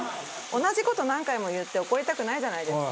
同じ事何回も言って怒りたくないじゃないですか。